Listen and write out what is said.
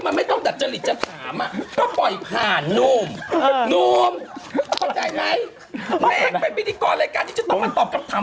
แม้เป็นพิธีกรรายการที่จะเป็นตอบกับถาม